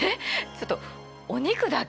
ちょっとお肉だけ？